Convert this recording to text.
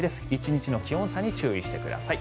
１日の気温差に注意してください。